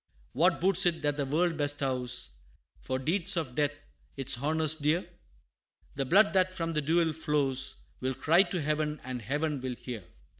What boots it that the world bestows, For deeds of death its honors dear? The blood that from the duel flows, Will cry to heaven, and heaven will hear!